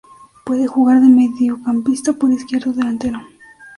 Puede jugar de mediocampista por izquierda o delantero.